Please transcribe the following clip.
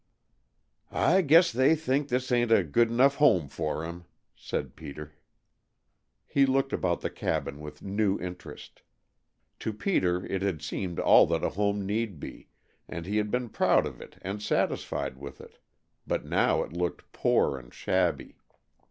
"I guess they think this ain't a good enough home for him," said Peter. He looked about the cabin with new interest. To Peter it had seemed all that a home need be, and he had been proud of it and satisfied with it, but now it looked poor and shabby.